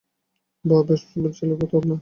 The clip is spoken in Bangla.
বাঃ বেশ ছেলে তো আপনার?